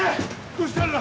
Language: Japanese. どうしたんだ！